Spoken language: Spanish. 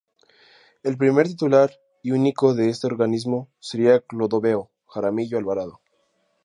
El primer titular y único de este organismo sería Clodoveo Jaramillo Alvarado.